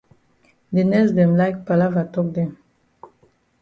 De nurse dem like palava tok dem.